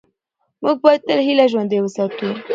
موږ باید تل هیله ژوندۍ وساتو